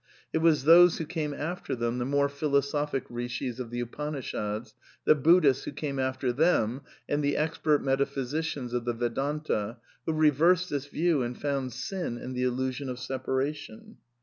It was those who came after them, the more philosophic Eishis of the Upanishads, the Buddhists who came after them and the expert meta physicians of the Vedanta, who reversed this view and ^i^ound sin in the illusion of separation.